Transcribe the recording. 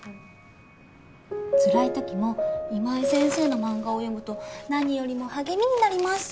「辛いときも今井先生の漫画を読むと何よりの励みになります」